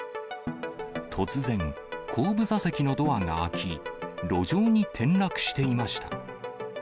突然、後部座席のドアが開き、路上に転落していました。